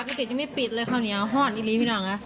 ก็สิทธิ์ที่ไม่ปิดเลยข้าวเนียวหอดดีพี่น้องนะ